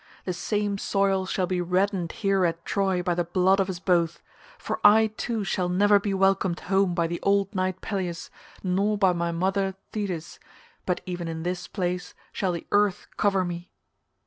The same soil shall be reddened here at Troy by the blood of us both, for I too shall never be welcomed home by the old knight Peleus, nor by my mother Thetis, but even in this place shall the earth cover me.